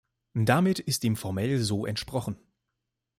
Damit ist dem formell so entsprochen.